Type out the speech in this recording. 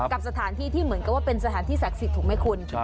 กับสถานที่ที่เหมือนกับว่าเป็นสถานที่ศักดิ์สิทธิ์ถูกไหมคุณ